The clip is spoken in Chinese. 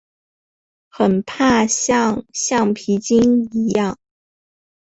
很怕像橡皮筋一样